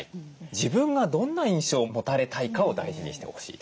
自分がどんな印象を持たれたいかを大事にしてほしいと。